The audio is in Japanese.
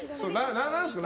何なんですか？